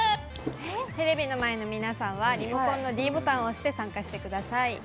テレビの前のみんなはリモコンのｄボタンを押して参加してください。